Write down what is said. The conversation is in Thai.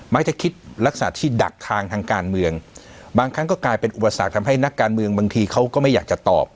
จะคิดลักษณะที่ดักทางทางการเมืองบางครั้งก็กลายเป็นอุปสรรคทำให้นักการเมืองบางทีเขาก็ไม่อยากจะตอบ